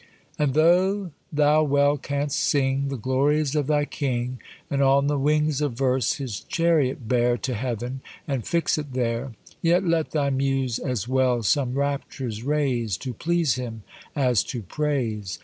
And tho' thou well canst sing The glories of thy King, And on the wings of verse his chariot bear To heaven, and fix it there; Yet let thy muse as well some raptures raise To please him, as to praise.